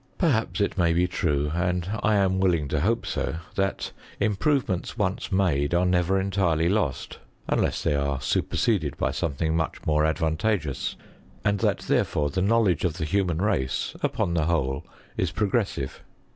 Perhaps it may be true, and I am willing to hope so, that improvements once made are never entirely lost, unless they are superseded by some thing much more advantageous, and that therefore the knowledge of the human race, upon the whole, is progressive.